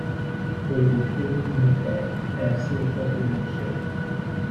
They became in effect vassals of the mission.